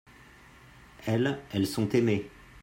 elles, elles sont aimées.